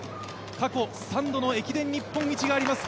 過去３度の駅伝日本一があります